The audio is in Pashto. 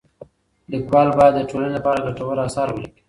ليکوال بايد د ټولني لپاره ګټور اثار وليکي.